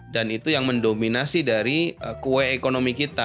dan itu yang mendominasi dari kue ekonomi kita